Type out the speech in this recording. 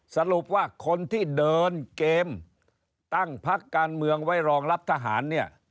สรุปว่าคนที่เดินเกมตั้งพักการเมืองไว้รองรับทหารเนี่ย